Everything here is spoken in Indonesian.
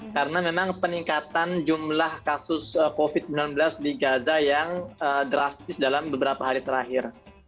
karena memang peningkatan jumlah kasus covid sembilan belas di gaza yang drastis dalam beberapa hari terakhir